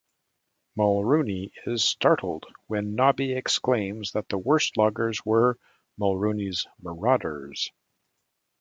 Mulrooney is startled when Knobby exclaims that the worst loggers were "Mulrooney's Marauders".